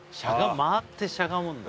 回ってしゃがむんだ。